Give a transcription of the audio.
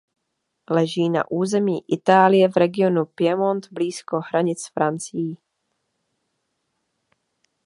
Leží na území Itálie v regionu Piemont blízko hranic s Francií.